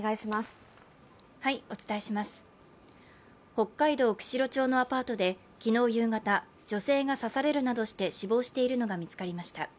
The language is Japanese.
北海道釧路町のアパートで、昨日夕方女性が刺されるなどして死亡しているのが見つかりました。